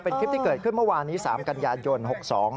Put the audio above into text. เป็นคลิปที่เกิดขึ้นเมื่อวานนี้๓กันยายน๖๒